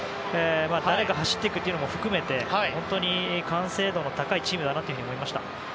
誰が走っていくのかも含めて本当い完成度の高いチームだと思います。